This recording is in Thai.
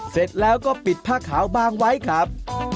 เสร็จแล้วก็ปิดผ้าขาวบางไว้ครับ